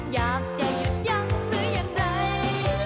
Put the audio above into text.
อยากจะยึกยักษ์หรือยังไร